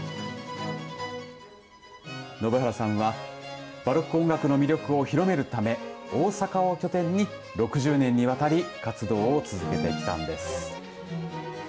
延原さんはバロック音楽の魅力を広めるため大阪を拠点に６０年にわたり活動を続けてきたんです。